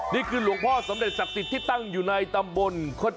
นี่คือหลวงพ่อสำเร็จศักดิ์สิทธิ์ที่ตั้งอยู่ในตำบล